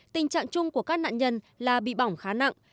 tình trạng chung của các nạn nhân là bị bỏng khá nặng